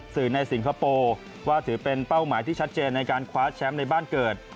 สื่อในสิงคโปร์ว่าถือเป็นเป้าหมายที่ชัดเจนในการคว้าแชมป์ในบ้านเกิด